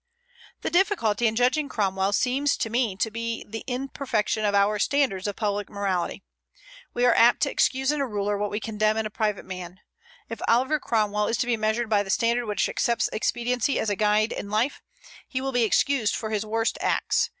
The difficulty in judging Cromwell seems to me to be in the imperfection of our standards of public morality. We are apt to excuse in a ruler what we condemn in a private man. If Oliver Cromwell is to be measured by the standard which accepts expediency as a guide in life, he will be excused for his worst acts.